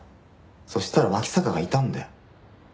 そしたら脇坂がいたんだよ。